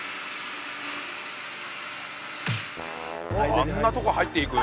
あんなとこ入っていく？